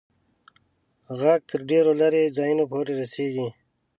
ږغ تر ډېرو لیري ځایونو پوري رسیږي.